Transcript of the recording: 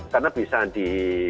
karena bisa di